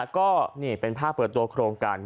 ก็นี่เป็นภาพเปิดตัวโครงการ